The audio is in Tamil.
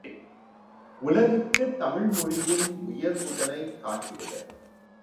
உலகுக்குத் தமிழ்மொழியின் உயர்வுதனைக் காட்டிடுக